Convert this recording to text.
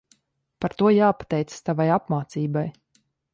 Par to jāpateicas tavai apmācībai.